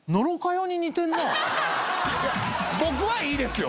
いや僕はいいですよ。